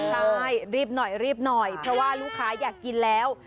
ใช่รีบหน่อยเพราะว่าลูกค้าอยากกินแล้ว